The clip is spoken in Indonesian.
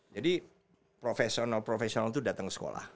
jadi profesional profesional itu datang ke sekolah